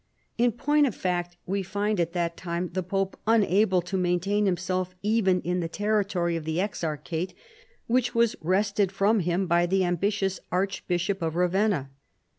In point of fact we find at that time the pope unable to maintain himself even in the territory of the exarchate, which was wrested from him by the ambitious Archbishop of Ravenna.